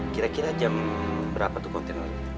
kira kira jam berapa tuh kontainer